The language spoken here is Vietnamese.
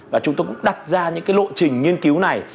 và chúng tôi cũng đặt ra những cái lộ trình nghiên cứu này